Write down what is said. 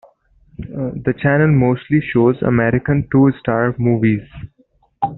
The channel mostly shows American two-star movies.